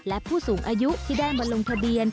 และผู้สูงอายุที่ได้มาลงทะเบียน